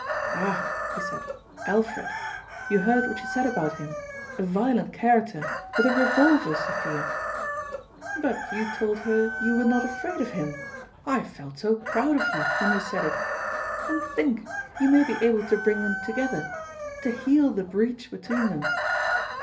" Ah !" he said, " Alfred. You heard what she said about him ? A violent character with a revolver, Sophia !"" But you told her you were not afraid of him. I felt so proud of you when you said it. And think, you may be able to bring them together to heal the breach between them